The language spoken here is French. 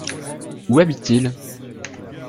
Où habitent-ils ?